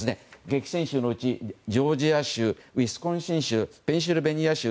激戦州のうちジョージア州、ウィスコンシン州ペンシルベニア州